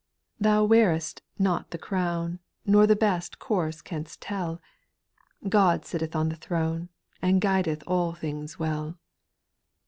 Thou wearest not the crown, Nor the best course can'st tell ; God sitteth on the throne. And guideth all things well.